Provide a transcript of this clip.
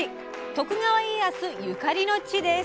徳川家康ゆかりの地です。